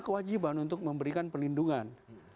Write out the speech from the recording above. kewajiban untuk memberikan pelindungan